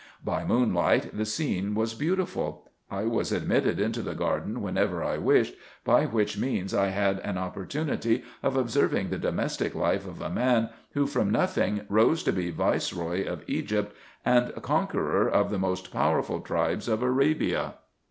By moonlight the scene was beautiful. I was admitted into the garden whenever I wished, by which means I had an opportunity of observing the domestic life of a man, who from nothing rose to be viceroy of Egypt, and conqueror of the most powerful tribes of Arabia.